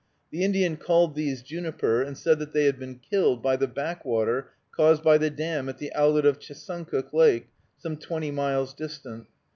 The Indian called these juniper, and said that they had been killed by the backwater caused by the dam at the outlet of Chesuncook Lake, some twenty miles distant.